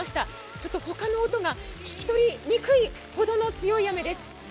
ちょっと他の音が聞き取りにくいほどの強い雨です。